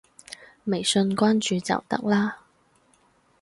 微信關注就得啦